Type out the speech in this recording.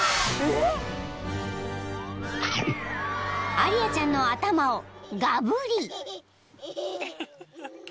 ［アリアちゃんの頭をがぶり］